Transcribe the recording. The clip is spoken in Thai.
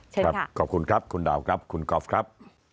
เชิญค่ะขอบคุณครับคุณดาวครับคุณกอฟครับ